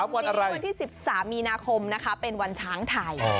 วันที่๑๓มีนาคมเป็นวันช้างไทย